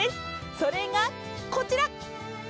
それがこちら！